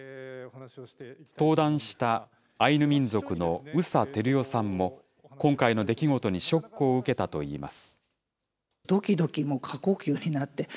登壇したアイヌ民族の宇佐照代さんも、今回の出来事にショックを受けたといいます。